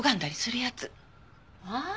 ああ！